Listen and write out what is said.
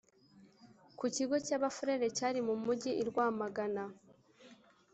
ku kigo cy’abafurere cyari mu mugi i Rwamagana